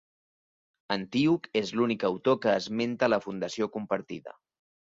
Antíoc és l'únic autor que esmenta la fundació compartida.